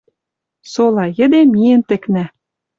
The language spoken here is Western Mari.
Сола йӹде миэн тӹкнӓ